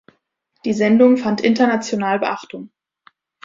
Die Sendung fand international Beachtung.